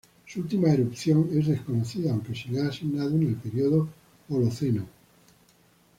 Su última erupción es desconocida aunque se le ha asignado en el periodo Holoceno.